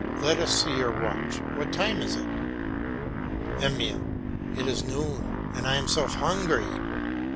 Let us see your watch; what time is it? EMILE. It is noon and I am so hungry!